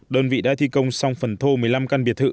đơn vị đã thi công xong phần thô một mươi năm căn biệt thự